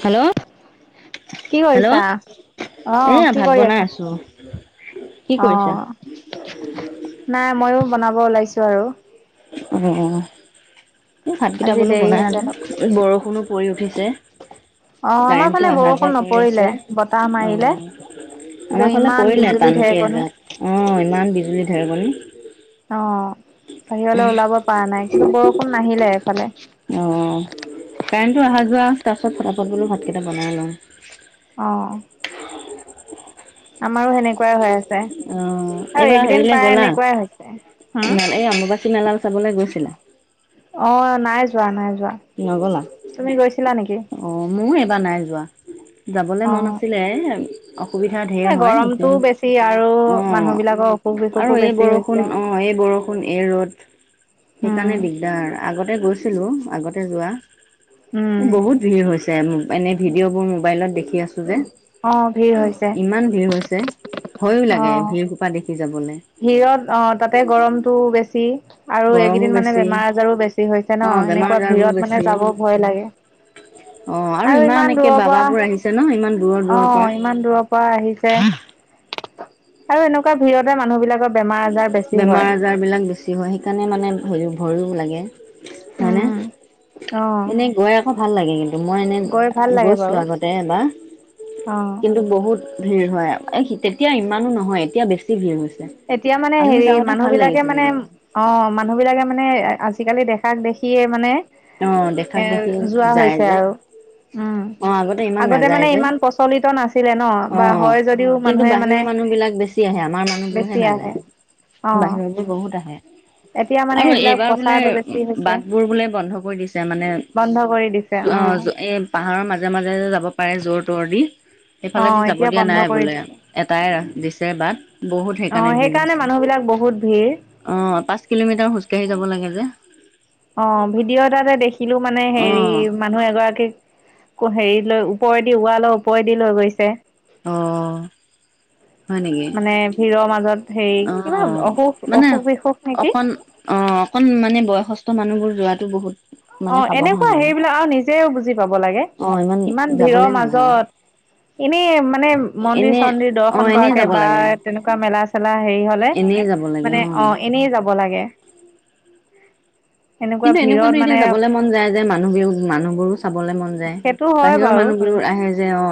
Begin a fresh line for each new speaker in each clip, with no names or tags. Hello
কি
hello
কৰিছা আহ
এয়া
কি
ভাত
কৰি
বনাই
আছা
আছো। কি কৰিছা?
অ নাই ময়ো বনাব ওলাইছো আৰু
অ ভাতকেইটা
আজি
বনো
দেৰি
বনাই
হৈছে
আতে
অলপ।
বৰষু কোনো পৰি উঠিছে
অ' আমাৰ
কাৰেণ্টটো
ফালে
অহা যোৱা
বৰষুণ
কৰি
নপৰিলে
আছে
বতাহ
অ
মাৰিলে। যে
আমাৰ ফালে
ইমান
পৰিলে
বিজুলী
টানকে
ঢেৰেকণি
এজাৰ অ ইমান বিজুলী ধৰিবনে
অ বাহিৰলৈ ওলাব পৰা নাই কিন্তু বৰষুণ নাহিলে এইফালে
অ কাৰেণ্টটো অহা যোৱা তাৰপিছত ফটাাপত বোলো ভাতকেইটা বনাই লওঁ
অ আমাৰো সেনেকা
অ এইবাৰ হেৰিলে
প্ৰায়
গলা
এনেকুৱাই হৈছে হম
ই এই অমব চনালাল চাবলৈ গৈছিলে
অ নাই যোৱা নাই যোৱা
নগলা
তুমি গৈছিলা নেকি?
অ মই কিব নাই যোৱা যাবলৈ মন
অ'
আছিলে এ অসুবিধা ধঢেৰ
এই
হয়
গৰমটোও
সেইখিনি
বেছি আৰু মানুহ বিলাকৰ অসুখ
অঁ
বিসুখো
আৰু এই
বেছি
বৰষুণ
হৈছে।
অঁ এই বৰষুণ এই ৰ'দ
উম,
সেইকাৰণে দিগদাৰ আগত গতে গৈছিলো আগতে যোৱা
উম,
এই বহুত ভিৰ হৈছিল যে এনে ভিডিঅ'বোৰ মোবাইলত দেখি আছোঁ যে
অ', ভিৰ হৈছে।
ইমান ভিৰ হৈছে ভয়ো লাগে
অ',
ভিৰ খোপা দেখি যাবলৈ।
ভিৰত অ তাতে গৰমতটো বেছি আৰু
গৰমো
এইকেইদিন মানে
বেছি
বেমাৰ আজাৰো বেছি হৈছে ন
অ' বেমাৰ
এনেকুৱা
আজাৰবোৰ
ভিৰত মানে
বেছি।
যাব ভয় লাগে
অ'
আৰু ইমান
একে
দূৰৰ পৰা
বাবাবোৰ আহিছে ন ইমান দূৰৰ দূৰৰ পৰা।
আহ ইমান দূৰৰ পৰা আহিছে আৰু এনেকুৱা ভিৰতে মানুহ বিলাকৰ বেমাৰ আজাৰ বেছি হয়।
বেমাৰ আজাৰ বিলাক বেছি হয় সেইকাৰণে মানে হেৰি ভয়ো লাগে আানে
উম, অ',
এনে গৈ আকৌ ভাল লাগে কিন্তু মই এনে
গৈ ভাল লাগে
গৈছো
বাৰু
আগতে বা
অ'।
কিন্তু বহুত ভিৰ হয় তেতিয়া ইমানো নহয় এতিয়া বেছি ভিৰ হৈছে
এতিয়া মানে
আমি
হেৰি
যাওঁতে
মানুহ
ভাল
বিলাকে
লাগিছিলে
মানে
কিন্তু
অ মানুহ বিলাকে মানে আ আজিকালি দেখাক দেখিয়ে মানে
অ' দেখাক দেখি
এৰ যোৱা
যায়
হৈছে
যে।
আৰু উম
অ' ইমান
আগতে
নাযায়
মানে
যে
ইমান প্ৰচলিত নাছিলে ন বা
অ'।
হয় যদিও
কিন্তু
মানুহে মানে
বাহিৰৰ মানুহ বিলাক বেছি আহে আমাৰ মানুহবোৰহে
বেছি আহে
নাযায়
অ
বাহিৰত বোৰ বহুত আহে
এতিয়া মানে
আৰু
এইবিলাক
এইবাৰ বোলে
প্ৰচাৰটো বেছি হৈছে
বাট বোৰ বোলে বন্ধ দি মানে
বন্ধ কৰি দিছে
অ
অ
এই পাহাৰৰ মাজে মাজে যে যাব পাৰে যত ফতৰ দি
অ
সেইফালেদি যাব
এতিয়া
দিয়া
বন্ধ
নাই
কৰি
বোলে
দিছে
এটাই ৰা দিছে বাট বহুত
অ
সেইকাৰণে ভিৰ হৈছে
মানুহ বহুত ভিৰ
অ পাঁচ কিলোমিটাৰ খোজকাাঢ়ি যাব লাগে যে
অ ভিডিঅ' এ তাতে দেখিলো মানে হেৰি
অ',
মানুহ এগৰাকীক হেৰি লৈ ওপৰেদি ৱালৈ ওপৰেদি লৈ গৈছে
অ হয় নেকি?
মানে ভিৰৰ মাজত হেৰি
অ
কিবা অসুখ
মানে
অসুখ বিসুখ নেকি
অকন অ অকন মানে বয়সস্থ মানুহবোৰ যোৱাো বহুত
অ
মানে সাৱধান
এনেকুৱা হেইবিলাক আৰু নিজেও বুজি পাব লাগে
অ',
ইমান
যাবলে
ভিৰৰ
নালাগে।
মাজত এনেই মানে মন্দিৰ
এনে
চন্দিৰ
অ',
দৰ্শন
এনেই
কৰাকে
যাব
বা
লাগে,
তেনেকুৱা মেলা চেলা হেৰি হলে
এনেই যাব লাগে
মানে অ এনেই যাব লাগে এনেকুৱা
কিন্তু
ভিৰত
এনেকুৱাটো
মানে
এয়া যাবলৈাগ মন যায় যে মানুহ বি মানুহবোৰো চাবলৈ মন যায়
সেইটো হয়
বাহিৰৰ
বাৰু
মানুহ বিোৰ আহে [unintelligible] অ।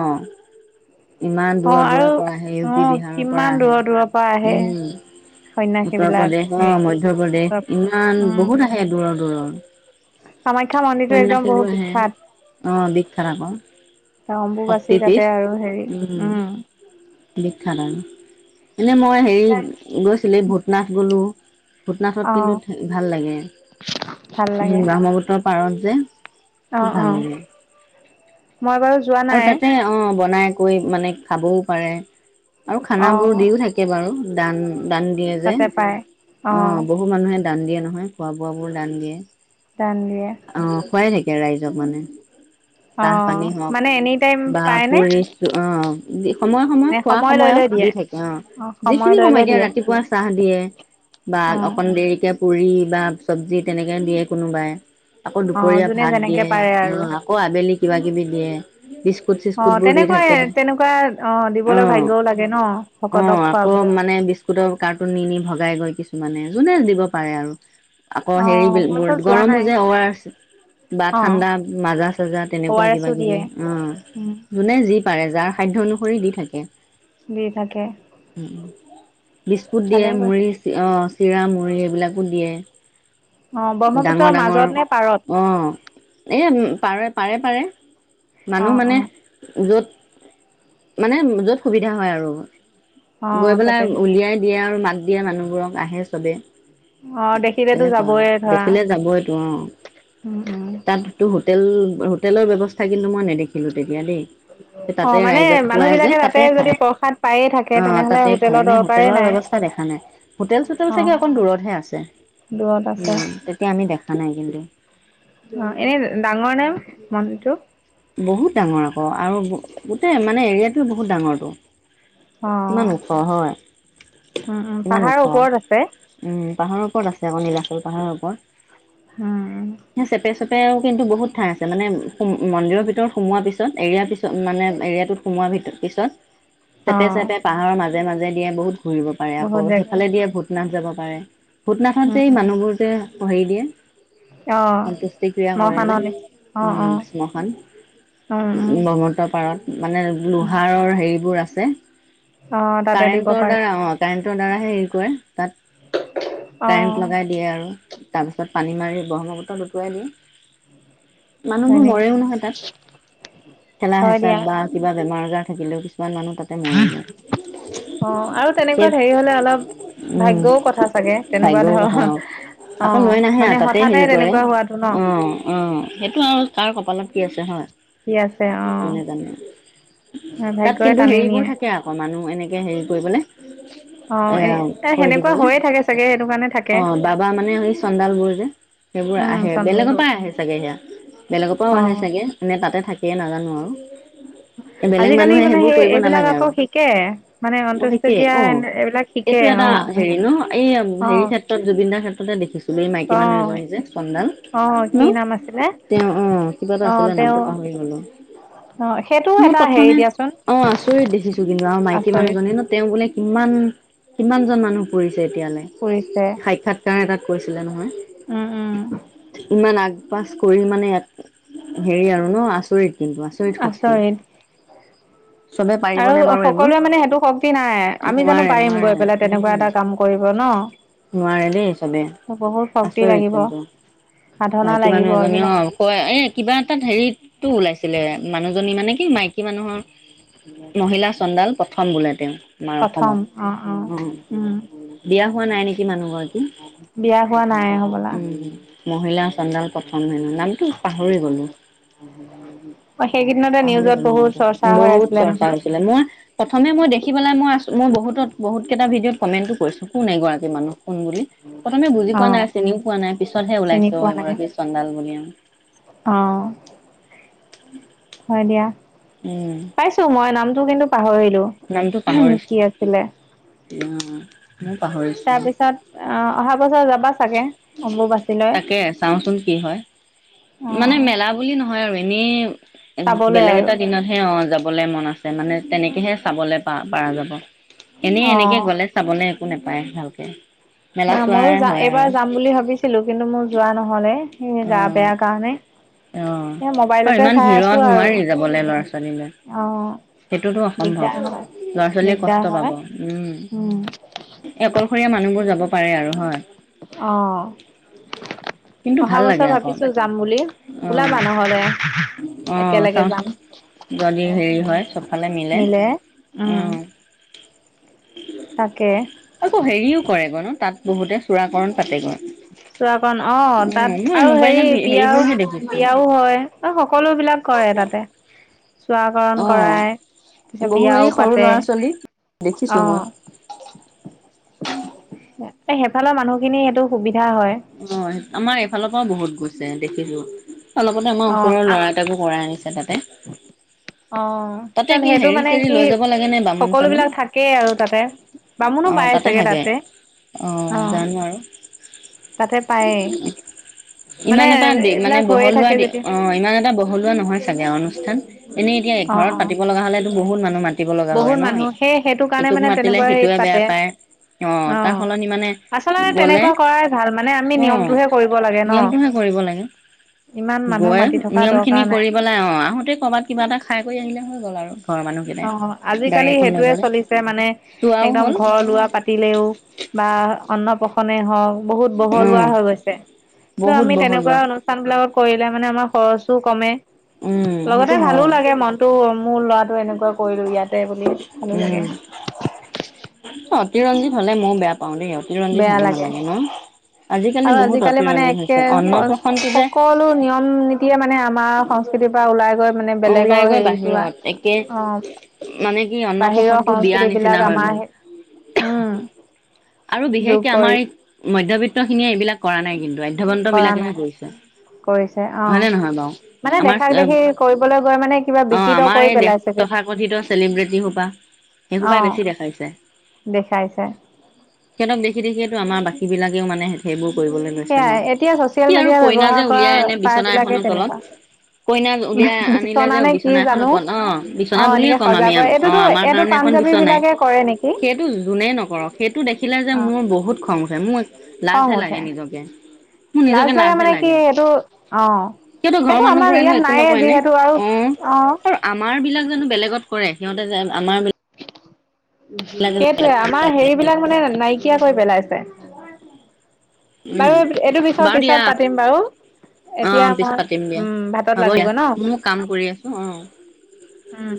ইমান
অ
দূৰৰ দূৰৰ
আৰু
পৰা আহে ইউ
অ
পি বিহাৰৰ পৰা
কিমান
আহে
দূৰৰ দূৰৰ পৰা আহে
উম।
সন্যাসী
উত্তৰ
বিলাক
প্ৰদেশ অ'
হেৰি
মধ্য প্ৰদেশ ইমান
উম
বহুত আহে দূৰৰ দূৰৰ।
কামাখ্যা মন্দিৰটো একদম
[unintelligible] বোৰ
বহুত
আহে
বিখ্যাত
অ' [unintelligible] আকৌ।
অম্বু বাচি
শক্তিপীঠ
তাতে আৰু হেৰি উম।
বিখ্যাত আৰু এনেই মই হেৰি গৈছিলে ভূটনাথ গলো। ভূটনাথত
অ
কিন্তু ভাল লাগে।
ভাল
উম
লাগে
ব্ৰহ্মপুত্ৰৰ পাৰত যে
অ
খুব ভাল
অ
লাগে।
মই বাৰু যোৱা
আৰু
নাই
তাতে অ' বনাই কৈ মানে খাবও পাৰে আৰু খানা বোৰ
অ',
দিও থাকে বাৰু দান দান দিয়ে যে
তাতে পায়
অ' বহু মানুহে দান দিয়ে নহয় খোৱা বোৱাবোৰ দান দিয়ে
দান দিয়ে
অ' খোৱাই থাকে। ৰাইজক মানে চাহ
অ'
পানী হওক
মানে এনে
বা পুৰিছো অ' সময়ে সময়ে
নে
খোৱা
সময় লৈ
সময়ত
লৈ
দি
দিয়ে
থাকে অ'
সময়
যিখিনি
লৈ লৈ
[unintelligible]
দিয়ে
ৰাতিপুৱা চাহ দিয়ে বা
অ',
অকন দেৰিকে পুৰি বা চব্জি তেনেকে দিয়ে কোনোবাই। আকৌ
অ',
দুপৰীয়া
যোনে
ভাত
যেনেকে পাৰে আৰু
দিয়ে আকৌ আবেলি কিবাকিবি দিয়ে। বিস্কুট চিস্কুট
অ'
বোৰ দি থাকে
তেনেকুৱাই তেনেকুৱা অ' দিবলৈ ভাগ্যও লাগে ন
অ
ভকতক খোৱা
আকৌ মানে বিস্কুতটৰ কাৰ্টুন নি নি ভগাই গৈ কিছুমানে যোনে দিব পাৰে আৰু। আকৌ
অ',
হেৰি
মই বাৰু যোৱা
গৰমো
নাই
যে অ' আৰ এছ বা
অ',
ঠাণ্ডা মাজা চজা
অ
তেনেকুৱা
আৰ
কিবা
এছো
কিবি।
দিয়ে উম,
অ' যোনে যি পাৰে যাৰ [unintelligible] অনুসৰি দি থাকে।
দি থাকে
বিস্কুট দিয়ে
ভালে গৈ
মুৰি অ' চিৰা মু়ৰি সেইবিলাকো দিয়ে।
অ', ব্ৰহ্মপুত্ৰৰ
ডাঙৰ ডাঙৰ
মাজত নে পাৰত
অ'। এ পাৰে, পাৰে -পাৰে মানুহ
অ',
মানে
অ',
য'ত মানে যত সুবিধা হয় আৰু।
অ',
গৈ
তাতে
পেলাই উলিয়াই দিয়ে আৰু মাত দিয়া মানুহবোৰক আহে চবে।
অ' দেখিলেতো
তেনেকুৱা আৰু
যাবইে।
দেখিলে যাবইটো অ'
উম
তাততো হোট [unintelligible] হোটেলৰ ব্যৱস্থা কিন্তু মই নেদেখিলো তেতিয়া দেই।
অ
তাতে
মানে
ৰাইজক
মানুহ
খুৱাই যে
বিলাকে
তাতে
যদি
খায়
প্ৰসাদ পায়ে থাকে
অ'
তেনেহলে
তাতে খায়
হোটেলৰ
এনে
দৰকাৰে
হোটেলৰ
নাই
ব্যৱস্থা দেখা নাই হোটেল চোটেল
অ
চাগে অকণ দূৰতহে আছে।
দূৰত আছে
উম তেতিয়া আমি দেখা নাই কিন্তু
অ' এনে ডাঙৰ নেম মনটো
বহুত ডাঙৰ আকৌ আৰু গোটেই মানে এৰিয়াটোৱে বহুত ডাঙৰটো।
অ
কিমান ওখ হয়
উম উম
কিমান
পাহাৰৰ
ওখ
ওপৰত আছে
উম। পাহাৰৰ ওপৰত আছে আকৌ নীলাচল পাহাৰৰ ওপৰত।
হম।
চেপে চেপেও কিন্তু বহুত ঠাই আছে মানেম মন্দিৰৰ ভিতৰত সোমোৱাৰ পিছত এৰিয়াৰ পিছত মানে এৰিয়াটোত সোমোৱাৰ পিছত
অ
চেপে চেপে পাহাৰৰ মাজে মাজে দিয়ে বহুত ঘূৰিব পাৰে
বহুত
আকৌ
জেগা
সেইফালে দিয়ে ভূটনাথ যাব পাৰে ভূটনাথত
উম
যে এই
উম
মানুহবোৰ যে [unintelligible] দিয়ে।
অ
সন্তুষ্টিক্ৰিয়া কৰে
মখানলে অ
যে
অ
উম শ্মশান
উম উম
ব্ৰহ্মপুত্ৰ পাৰত মানে
উম
লোহাৰৰ হেৰিবোৰ আছে
অ তাতে দিব
কাৰেণ্টৰ
পাৰে
দ্বাৰা অ কাৰেণ্টৰ দ্বাৰাহে হেৰি কৰে তাত
অ
কাৰেন্ট লগাই দিয়ে আৰু। তাৰ পিছত পানী মাৰি ব্ৰহ্মপুত্ৰত উুটুৱাই দিয়ে।
হয়
মানুহবোৰ
নেকি
মৰেও নহয় তাত
হয়
থেলা-হেঁচাত বা
দিয়া
কিবা বেমাৰ আজাৰ থাকিলেও কিছু ইমান মানুহ তাতে মৰি যায়।
অ' আৰু তেনেকুৱা হেৰি হ'লে অলপ
উম
ভাগ্যৰো কথা চাগে, তেনেকুৱা
ভাগ্যৰ কথা
ধৰক
অ
অ' মানে হঠাতে তেনেকুৱা হোৱাত
অ'-অ' সেইটো আৰু তাৰ কপালত কি আছে হয়।
কি আছে অ'।
কোনে জানে তাত
ভাগ্যই
কিন্তু
টানি
হেৰিবোৰ
নিয়ে
থাকে আকৌ মানুহ এনেকে হেৰি কৰিবলে।
অ এ
এয়া
এ
কৰি
সেনেকুৱা
দিবলে
হৈয়ে থাকে চাগে সেইটো কাৰণে থাকে
অ', বাবা মানে সেই চন্দাল বোৰ যে। সেইবোৰ আ
উম
আহে বেলেগৰ
চন্দবোৰ
পৰা আহে চাগে সেয়া, বেলেগৰ পৰাও
অ
আহে চাগে নে তাতে থাকে নাজানো আৰু। [inaudible] এই বেলেগ
আজিকালি
মানুহে
মানে
সেইবোৰ
সেই
কৰিব
এইবিলাক
নালাগে
আকৌ
আৰু
শিকে মানে
অ' সিকেই
অন্ত্যেষ্টিক্ৰিয়া
অ'
এইবিলাক শিকে
এইটো এটা
অ
হেৰি ন এই
অ
হেৰি ক্ষেত্ৰত জুবিন দাৰ ক্ষেত্ৰতে দেখিছিলো এই মাইকী
অ
মানুহ এজনী যে। চন্দাল
অ
ন
কি নাম আছিলে
তেওঁ অ' কিবা এটা
অ
আছিলে
তেওঁ
নামটো পাহৰি গ'লো।
অ সেইটো
মই
এটা হেৰি
প্ৰথমে
দিয়াচোন
অ' আচৰিত দেখিছো কিন্তু আৰু মাইকী
আচৰিত
মানুহজনী ন তেওঁ বোলে কিমান কিমানজন মানুহ পুৰিছে এতিয়ালে
কৰিছে
সাক্ষাৎকাৰ এটাত কৈছিলে নহয়।
উম উম
ইমান আগ-পাজ কৰি মানে ইয়াত, হেৰি আৰু ন আচৰিত। কিন্তু আচৰিত শক্তি। চবে
আৰু
পাৰিবনে বাৰু এইবোৰ
সকলোৱে মানে সেইটো শক্তি নাই আমি জানো
নোৱাৰে
পাৰিম
নোৱাৰে
গৈ পেলাই তেনেকুৱা
উম
এটা কাম কৰিব ন।
নোৱাৰে দেই চবে
ত বহুত শক্তি
আচৰিত
লাগিব
কিন্তু।
সাধনা
মাইকী মানুহ
লাগিব
এজনী
এইবিলাক
অ' কয় এ কিবা এটা হেৰিতো ওলাইছিলে মানুহজনী মানে কি মাইকী মানুহৰ মহিলা চন্দাল প্ৰথম বোলে তেওঁ। আমাৰ
প্ৰথম
অসমত,
অ অ
উম বিয়া হোৱা নাই নেকি
বিয়া হোৱা নাই হবলা
মানুহগৰাকীৰ। উম, মহিলা চন্দাল প্ৰথম হেনো নামটো পাহৰি গ'লো।
অ', সেই
পাহৰি গ'লো নামটো বহুত চৰ্চা
নহয়
হৈছিলে মই প্ৰথমে মই দেখি পেলাই মই আচ মই বহুতত বহুত কেইটা ভিডিঅ'ত কমেণ্টটো কৰিছো কোন এইগৰাকীমানুহ। কোন বুলি প্ৰথমে বুজি
অ
পোৱা নাই চিনিও পোৱা নাই পিছতহে
চিনি
ওলাইছো অ'
পোৱা নাই
এইগৰাকী চন্দাল বুলি।
অ', হয় দিয়া
উম
পাইছো মই নাম টো কিন্তু পাহৰিলো
নামটো পাহৰিছো
কি আছিলে।
অ'। ময়ো পাহৰিছো
তাৰপিছত আ অহা বছৰ যাবা চাগে অম্বুবাচীলৈ।
তাকে চাওঁচোন কি হয়
অ
মানে মেলা বুলি নহয় আৰু এনেই
চাবলৈ
বেলেগ
আৰু
এটা দিনত হে অ' যাবলে মন আছে মানে তেনেকেহে চাবলৈ পা পাৰা যাব এনেই এনেকে
অ
গ'লে চাবলৈ একো নাপায় ভালকে। মেলা
না ময়ো
চোৱাই
যা
হয় আৰু
এইবাৰ যাম বুলি ভাবিছিলো কিন্তু মোৰ যোৱা নহ'লে সেই
অ
গা বেয়া কাৰণে।
অ',
এ
আৰু
মোবাইলতে
ইমান
চাই আছো
ভিৰত
আৰু
নোৱাৰি যাবলে ল'ৰা ছোৱালী লৈ।
অ
সেইটোতো অসম্ভৱ
দিগদাৰ হয়।
ল'ৰা ছোৱালীয়ে
দিগদাৰ
কষ্ট
হয়
পাব, উম। এ অকলশৰীয়া মানুহবোৰ যাব। হয় আৰু হয়
অ
কিন্তু
অহা
ভাল
বছৰ
লাগে আকৌ।
ভাবিছো যাম বুলি। ওলাবা নহ'লে
অ'-অ'
একেলগে যাম
চাওচোন যদি হেৰি হয়
মিলে, উম।
অ
তাকে
আকৌ হেৰিও কৰে গৈ ন তাত বহুতে চূড়াকৰণ পাতেগৈ।
চূড়াকৰন অ' তাত
উম মই
আৰু হেৰি
মোবাইলত
বিয়াও
হেৰিবোৰহে দেখিছো
বিয়াও হয় সকলো বিলাক কৰে তাতে চূড়া কৰণ
অ
কৰায়।
বহু এই সৰু ল'ৰা ছোৱালী দেখিছো
অ
মই।
এই সেইফালৰ মানুহ খিনি সেইটো সুবি
হয় আমাৰ এইফালৰ পৰাও বহুত গৈছে দেখিছো। অলপতে আমাৰ
অ'
ওচৰৰ
আ
ল'ৰা এটাকো কৰাই আনিছে তাতে।
অ',
তাতে
তাত
কি
সেইটো
হেৰি
মানে
চেৰি
কি
লৈ যাব লাগে নে বামুণ
সকলো
চামুণ
বিলাক থাকেই আৰু তাতে। বামুনো
অ
পায় চাগে
থাকে
তাতে।
অ 'জানো আৰু
তাতে পায়েই মানে
ইমান এটা দি মানে
এইবিলাক হৈয়ে
বহলুৱা
থাকে
দি
যেতিয়া
অ ইমান এটা বহলুৱা নহয় চাগে আৰু। ান এনে এতিয়া
অ
এঘৰত
অ
পাতিব লগা হলেতটো বহুত মানুহ মাতি মাতিব লগা হয়
বহুত
ন
মানুহ সেই সেইটো কাৰণে
ইটোক
মানে
মাতিলে
তেনেকুৱা হেৰিত
সিটোৱে
পাতে
বেয়া পায়। অ তাৰ সলনি মানে
আচলতে
গলে
তেনেকুৱা কৰাই ভাল মানে আমি
অ'
নিয়মটোহে কৰিব লাগে ন
নিয়মটোহে কৰিব লাগে
ইমান মানুহ
গৈ
মাতি থকা
নিয়ম খিনি
দৰকাৰ নাই
কৰি পেলাই অ আহোতে কৰবাত কিবা এটা খাই কৰি আনিলে হল।
অ আজিকালি
লৈ
সেইটোয়ে
গ'লে
চলিছে মানে
চোৱাও
একদম
হ'ল
ঘৰ লোৱা পাতিলেও বা অন্ন প্ৰসন্ন নে হওক বহুত
উম
বহলুৱা হৈ গৈছে কিন্তু
বহুত
আমি
বহল
তেনেকুৱা
লোৱা।
অনুষ্ঠান বিলাকত কৰিলে মানে আমাৰ খৰচো কমে
উম
লগতে
সেইটো
ভালো
হয়
লাগে মনটো মোৰ লৰাটো এনেকুৱা। কৰিলো ইয়াতে বুলি ভালো
উম
লাগে
অতিৰঞ্জিত হলে ময়ো বেয়া পাও দেই অতিৰঞ্জিত
বেয়া
হ'ব
লাগে
নালাগে ন
আৰু
বহুত
আজিকালি মানে
অতিৰঞ্জিত
একে
হৈছে
সকলো
অন্নপ্ৰশনটো যে
নিয়ম নীতিয়ে মানে আ আমাৰ সংস্কৃতিৰ পৰা ওলাই গৈ মানে
অ' ওলাই
বেলেগৰ
গৈ
হেৰিতটো
বাহিৰত একে
অ
মানে কি
বাহিৰৰ
অন্নপ্ৰশনটো বিয়া
সংস্কৃতি
নিচিনা
বিলাক
হৈ গ'ল।
আমাৰ উম।
আৰু
যোগ
বিশেষকে আমাৰ এই
কৰিছে
মধ্যবিত্ত খিনিয়ে এইবিলাক কৰা নাই কিন্তু আধ্যয়বন্ত
কৰা নাই
বিলাকেহে কৰিছে
কৰিছে
হয় নে নহয় বাৰু
অ' মানে
আমাৰ
দেখাক দেখি কৰিবলৈ গৈ মানে কিবা
অ
বিকৃত
আমাৰ
কৰি
এই দেশ
পেলাই চাগে।
তথাকথিত চেলিব্ৰিটি সোপা
অ
সেইসোপাই বেছি দেখাইছে
'দেখাইছে
সিহঁতক দেখিখিয়েতো আমাৰ বাকী বিাকও মানে সেইবোৰ গৈছে ন
সেয়াই এতিয়া চচিয়েল
কি আৰু
মিডিয়া
কইনা যে
ব্যৱহাৰ কৰা
উলিয়াই আনে
প্ৰায়
বিচনা
বিলাকে
এখনৰ তলত।
তেনেকুৱা
কইনাক উলিয়াই আনিলে
বিচনা
যে
নে কি
বিচনা এখন
জানো
ওপৰত অ
অ
বিচনা বুলিয়ে
এনেকে
ক'ম
সজাগ
আমি
কৰে এইটোতো
অ'আমাৰ
এইটো
কাৰণে বি
পাঞ্জাবী
নাই
বিলাকে কৰে নেকি
সেইটো যোনে নকৰক সেইটো দেখিলে যে
অ
মোৰ বহুত খং উঠছে মোৰ
খং
লাজহে
উঠে
লাগে নিজকে মোৰ
লাজ
নিজকে
লাগে মানে কি এইটো অ'
সিহঁতো ঘৰৰ
সেইটো
মানুহ
আমাৰ
বোৰেনো
ইয়াত
একো
নায়ে
নকয় নে
যিহেতু আৰু
অ
অ
আৰু আমাৰ বিলাক জানো বেলেগত কৰে সিহঁতে যে আমাৰ বিলাকে
সেইটোৱে আমাৰ হেৰিবলাক মানে নাইকিয়াকৈ পেলাইছে।
উম।
বাৰু এইটো বিষৰ
বাৰু
পিছত
দিয়া
পাতিম বাৰু। এতিয়া
অ' পিছত
মই
পাতিম দিয়া
উম ভাতত
হ'ব দিয়া।
লাগোগৈ ন।
ময়ো কাম কৰি আছো অ'।
উম।